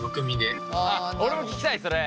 あっ俺も聞きたいそれ！